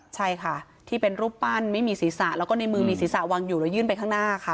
ใช่ค่ะที่เป็นรูปปั้นไม่มีศีรษะแล้วก็ในมือมีศีรษะวางอยู่แล้วยื่นไปข้างหน้าค่ะ